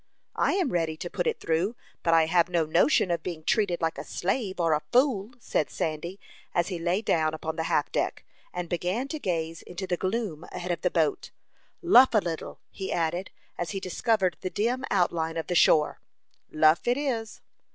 "I am ready to put it through, but I have no notion of being treated like a slave or a fool," said Sandy, as he lay down upon the half deck, and began to gaze into the gloom ahead of the boat. "Luff a little," he added, as he discovered the dim outline of the shore. "Luff, it is."